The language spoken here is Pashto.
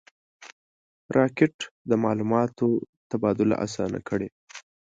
راکټ د معلوماتو تبادله آسانه کړې